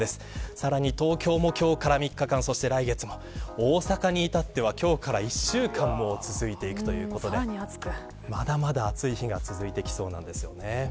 さらに東京も今日から３日間来月も大阪に至っては今日から１週間も続いていくということでまだまだ暑い日が続いていきそうなんですよね。